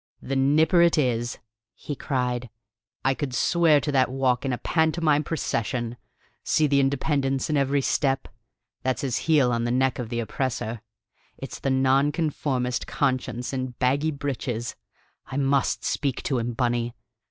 "The Nipper it is!" he cried. "I could swear to that walk in a pantomime procession! See the independence in every step: that's his heel on the neck of the oppressor: it's the nonconformist conscience in baggy breeches. I must speak to him, Bunny.